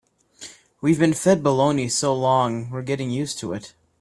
We've been fed baloney so long we're getting used to it.